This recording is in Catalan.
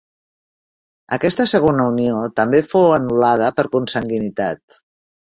Aquesta segona unió també fou anul·lada per consanguinitat.